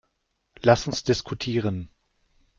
Lass uns diskutieren.